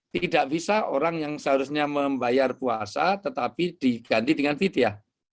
tidak bisa orang yang seharusnya membayar puasa tetapi diganti dengan vidya